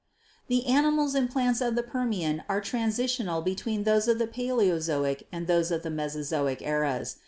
The animals and plants of the Permian are transitional between those of the Paleozoic and those of the Mesozoic eras.